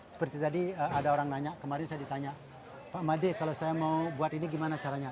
seperti tadi ada orang nanya kemarin saya ditanya pak made kalau saya mau buat ini gimana caranya